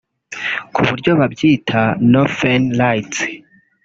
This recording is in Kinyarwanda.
ku buryo babyita Northern Lights